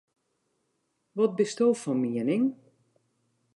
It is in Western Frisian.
Wat bisto fan miening?